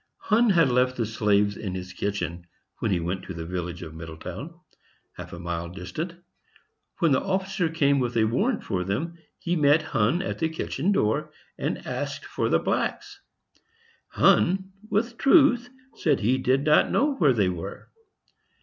Hunn had left the slaves in his kitchen when he went to the village of Middletown, half a mile distant. When the officer came with a warrant for them, he met Hunn at the kitchen door, and asked for the blacks; Hunn, with truth, said he did not know where they were.